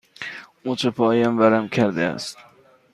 مچ پایم ورم کرده است.